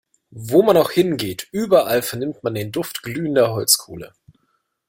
Wo man auch hingeht, überall vernimmt man den Duft glühender Holzkohle.